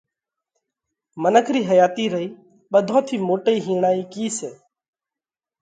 منک رِي حياتِي رئِي ٻڌون ٿِي موٽئِي هِيڻائِي ڪِي سئہ؟